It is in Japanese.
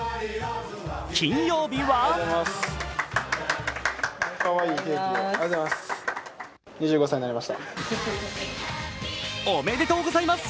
金曜日はおめでとうございます。